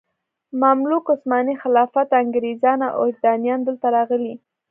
مملوک، عثماني خلافت، انګریزان او اردنیان دلته راغلي.